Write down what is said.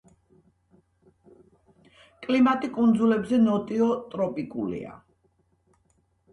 კლიმატი კუნძულებზე ნოტიო ტროპიკულია.